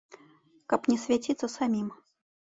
Каб не свяціцца самім.